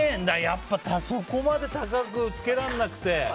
やっぱりそこまで高くつけらんなくて。